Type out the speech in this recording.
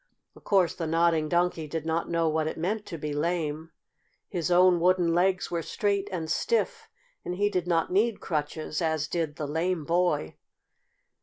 Of course the Nodding Donkey did not know what it meant to be lame. His own wooden legs were straight and stiff, and he did not need crutches, as did the lame boy.